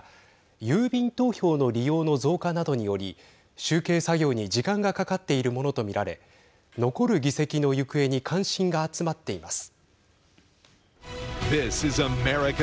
郵便投票の利用の増加などにより集計作業に時間がかかっているものと見られ残る議席の行方に関心が集まっています。